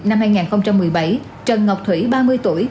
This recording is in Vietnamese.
năm hai nghìn một mươi bảy trần ngọc thủy ba mươi tuổi